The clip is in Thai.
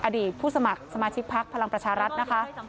อดีตผู้สมัครสมาชิกพักพลังประชารัฐนะคะ